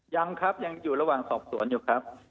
ยังครับยังอยู่ระหว่างสอบสวนอยู่ครับ